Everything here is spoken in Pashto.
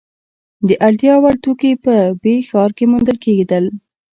د اړتیا وړ توکي په ب ښار کې موندل کیدل.